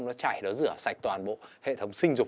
nó chảy nó rửa sạch toàn bộ hệ thống sinh dục